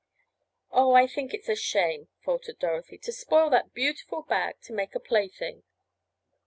"Oh, I think it's a shame," faltered Dorothy, "to spoil that beautiful bag to make a plaything."